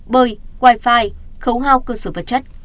bơi wifi khấu hao cơ sở vật chất